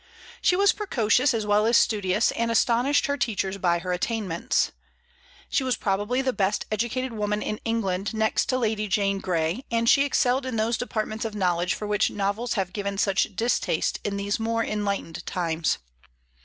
She was precocious as well as studious, and astonished her teachers by her attainments. She was probably the best educated woman in England next to Lady Jane Grey, and she excelled in those departments of knowledge for which novels have given such distaste in these more enlightened times.